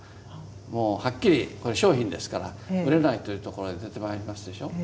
もうはっきりこれ商品ですから売れないというところで出てまいりますでしょう。